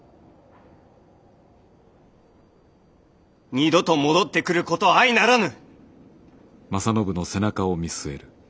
二度と戻ってくること相ならぬ！